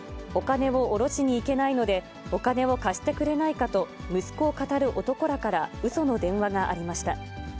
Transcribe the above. お金を下ろしに行けないので、お金を貸してくれないかと、息子をかたる男らから、うその電話がありました。